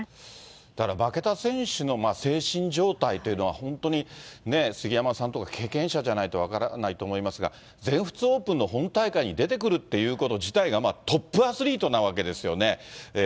だから、負けた選手の精神状態というのは、本当に杉山さんとか経験者じゃないと分からないと思いますが、全仏オープンの本大会に出てくるということ自体がトップアスリートなわけですよね。